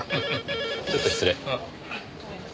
ちょっと失礼。